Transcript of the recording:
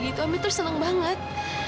bagaimana kita bisa berpikir pikir